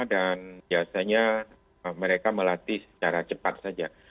dan biasanya mereka melatih secara cepat saja